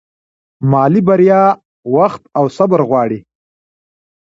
مالي بریا وخت او صبر غواړي.